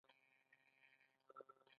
چې له مخې حيا کله چې مو پسکه واچوله.